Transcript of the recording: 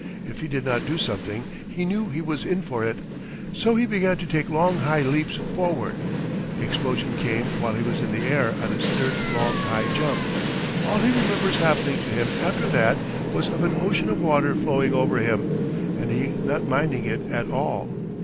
If he did not do something he knew he was in for it, so he began to take long high leaps forward. The explosion came while he was in the air on his third long high jump. All he remembers happening to him after that was of an ocean of water flowing over him, and he not minding it at all.